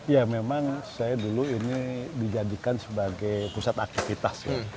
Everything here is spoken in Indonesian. ya memang saya dulu ini dijadikan sebagai pusat aktivitas ya